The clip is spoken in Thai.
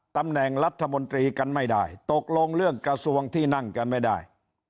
ตำแหน่งรัฐมนตรีกันไม่ได้ตกลงเรื่องกระทรวงที่นั่งกันไม่ได้